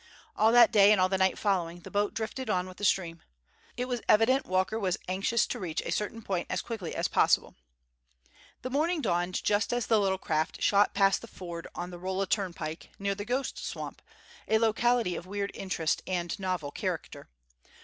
All that day and all the night following, the boat drifted on with the stream. It was evident Walker was anxious to reach a certain point as quickly as possible. The morning dawned just as the little craft shot past the ford on the Rolla turnpike, near the "ghost swamp," a locality of weird interest and novel character.